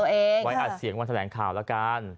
เขาบอกว่าเนี่ยไว้อัดเสียงวันแถลงข่าวละกัน